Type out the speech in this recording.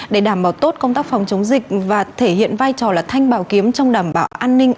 để đảm bảo tốt công tác phòng chống dịch và thể hiện vai trò là thanh bảo kiếm trong đảm bảo an ninh